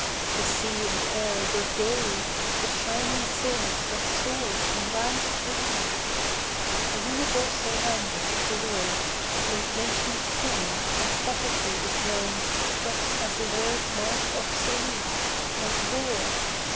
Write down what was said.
The sea and air were gay With shining sails that soared from land to land. A universal language of the world Made nations kin, and poverty was known But as a word marked 'obsolete,' like war.